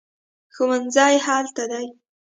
ښوونځی هلته دی